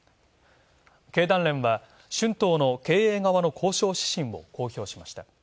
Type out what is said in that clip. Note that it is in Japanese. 経団連は、春闘の経営側の交渉指針を公表しました。